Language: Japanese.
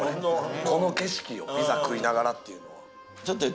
この景色をピザ食いながらっていうのは。